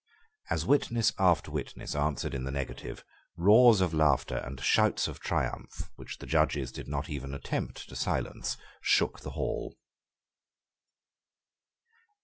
As witness after witness answered in the negative, roars of laughter and shouts of triumph, which the judges did not even attempt to silence, shook the hall.